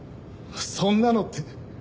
そんなのって